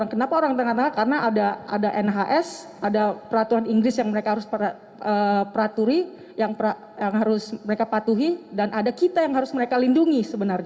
kenapa orang tengah tengah karena ada nhs ada peraturan inggris yang mereka harus peraturi yang harus mereka patuhi dan ada kita yang harus mereka lindungi sebenarnya